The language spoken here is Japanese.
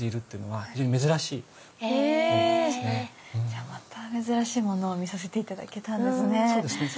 じゃあまた珍しいものを見させて頂けたんですね。